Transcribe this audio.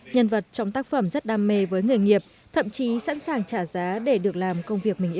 nhân vật trong tác phẩm rất đam mê với người nghiệp thậm chí sẵn sàng trả giá để được làm công việc mình yêu